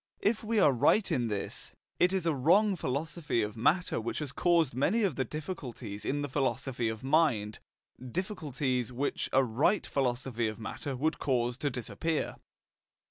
If we are right in this, it is a wrong philosophy of matter which has caused many of the difficulties in the philosophy of mind difficulties which a right philosophy of matter would cause to disappear.